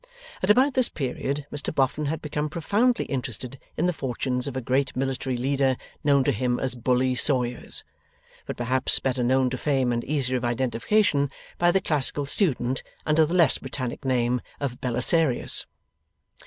At about this period Mr Boffin had become profoundly interested in the fortunes of a great military leader known to him as Bully Sawyers, but perhaps better known to fame and easier of identification by the classical student, under the less Britannic name of Belisarius.